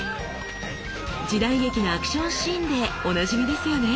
時代劇のアクションシーンでおなじみですよね。